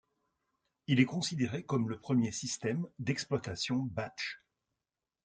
Il est considéré comme le premier système d'exploitation batch.